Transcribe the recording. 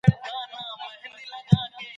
سالم خلک له میکروبونو محفوظ وي.